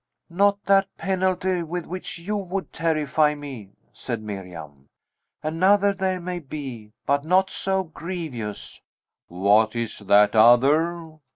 "Not that penalty with which you would terrify me," said Miriam; "another there may be, but not so grievous." "What is that other?"